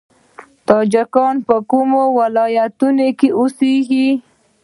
تاجکان په کومو ولایتونو کې اوسیږي؟